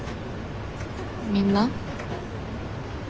みんな？